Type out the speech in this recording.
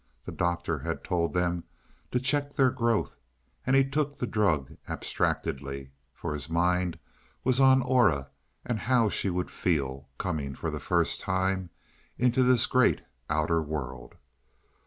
The Doctor had told them to check their growth: and he took the drug abstractedly, for his mind was on Aura and how she would feel, coming for the first time into this great outer world.